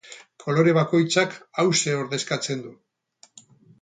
Kolore bakoitzak hauxe ordezkatzen du.